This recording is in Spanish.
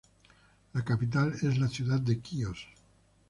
La capital es la ciudad de Quíos.